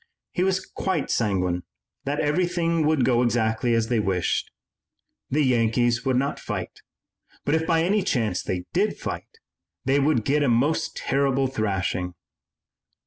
He was quite sanguine that everything would go exactly as they wished. The Yankees would not fight, but, if by any chance they did fight, they would get a most terrible thrashing.